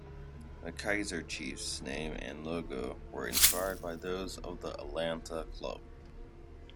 The Kaizer Chiefs name and logo were inspired by those of the Atlanta club.